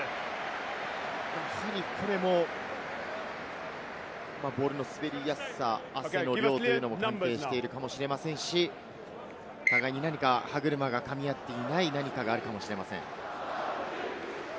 これもボールの滑りやすさ、汗の量というのも関係しているかもしれませんし、互いに何か歯車がかみ合っていない何かがあるかもしれません。